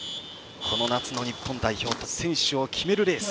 この夏の日本代表選手を決めるレース。